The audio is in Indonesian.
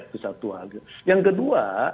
itu satu hal yang kedua